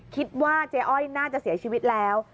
คิดว่าเจ๊อ้อยน่าจะเสียชีวิตแล้ว